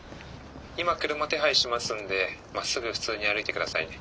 今車手配しますんでまっすぐ普通に歩いて下さいね。